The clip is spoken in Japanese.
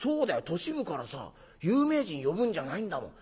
都市部からさ有名人呼ぶんじゃないんだもん。